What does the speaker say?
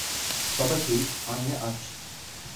Baba şehit, anne aç…